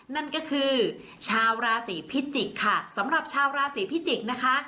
นั่นก็คือชาวราศีพิจิกค่ะสำหรับชาวราศีพิจิกษ์นะคะ